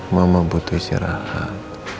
mama butuh istirahat